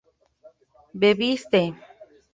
bebiste